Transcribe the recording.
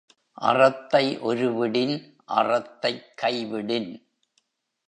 அறத்தை ஒருவிடின்—அறத்தைக் கைவிடின்.